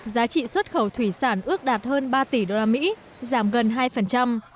giá trị xuất khẩu thủy sản ước đạt hơn ba tỷ usd giảm gần hai